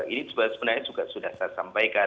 ini sebenarnya juga sudah saya sampaikan